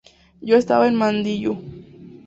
Yo estaba en Mandiyú.